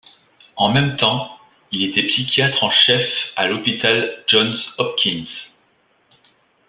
En même temps, il était psychiatre en chef à l'hôpital Johns Hopkins.